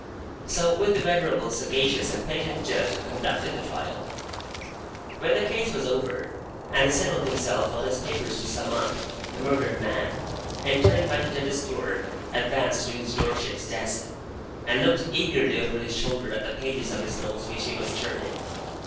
So with the venerable, sagacious, and patient Judge who conducted the trial. When the case was over, and he settled himself and his papers to sum up, the murdered man, entering by the Judges' door, advanced to his Lordship's desk, and looked eagerly over his shoulder at the pages of his notes which he was turning.